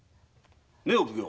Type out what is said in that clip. ねえお奉行？